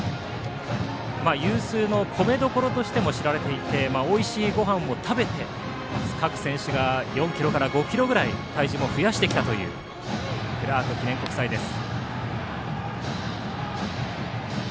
有数の米どころとしても知られていておいしいごはんを食べて各選手が４ｋｇから５ｋｇぐらい体重も増やしてきたというクラーク記念国際です。